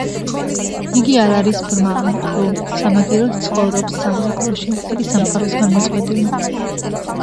იგი არ არის ბრმა ან ყრუ, სამაგიეროდ ცხოვრობს სამრეკლოში, მთელი სამყაროსგან მოწყვეტილი.